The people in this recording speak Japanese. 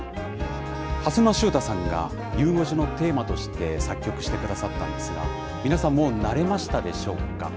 蓮沼執太さんが、ゆう５時のテーマとして作曲してくださったんですが、皆さんもう慣れましたでしょうか。